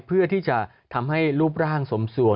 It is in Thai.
เพื่อที่จะทำให้รูปร่างสมส่วน